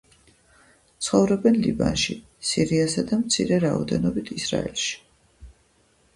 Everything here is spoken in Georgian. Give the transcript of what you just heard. ცხოვრობენ ლიბანში, სირიასა და მცირე რაოდენობით ისრაელში.